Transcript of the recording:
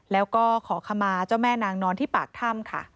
แล้วก็ขอขมาเจ้าแม่นางนอนที่ปากถ้ำค่ะ